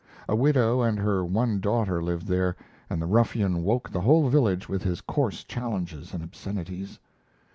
A widow and her one daughter lived there, and the ruffian woke the whole village with his coarse challenges and obscenities.